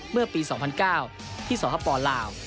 เมื่อปี๒๐๐๙ที่สหปลาว